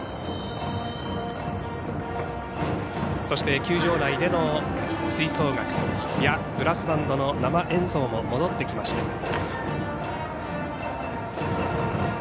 そして、球場内での吹奏楽やブラスバンドの生演奏も戻ってきました。